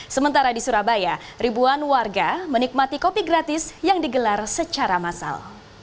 sementara di surabaya ribuan warga menikmati kopi gratis yang digelar secara massal